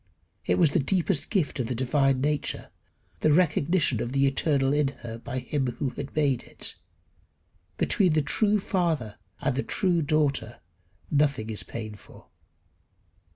It was the deepest gift of the divine nature the recognition of the eternal in her by him who had made it. Between the true father and the true daughter nothing is painful.